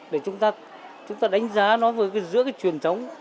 để chúng ta đánh giá nó giữa cái truyền thống